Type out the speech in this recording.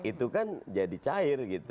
itu kan jadi cair gitu